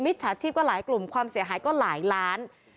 ฉาชีพก็หลายกลุ่มความเสียหายก็หลายล้าน